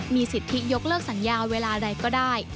มีสิทธิยกเลิกสัญญาเวลาใดก็ได้